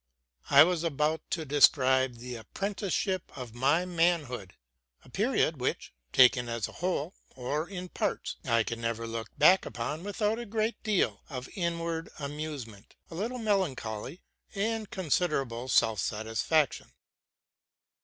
I was about to describe the apprenticeship of my manhood, a period which, taken as a whole or in parts, I can never look back upon without a great deal of inward amusement, a little melancholy, and considerable self satisfaction.